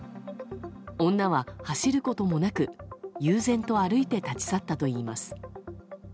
女は走ることもなく悠然と歩いて立ち去ったといいます。